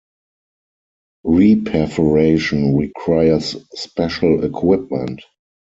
Re-perforation requires special equipment.